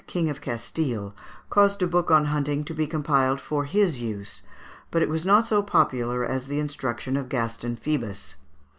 king of Castile, caused a book on hunting to be compiled for his use; but it was not so popular as the instruction of Gaston Phoebus (Fig.